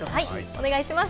お願いします。